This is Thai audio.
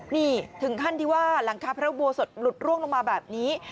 นี่ถึงขั้นที่ว่าหลังคาพระอุโบสถหลุดร่วงลงมาแบบนี้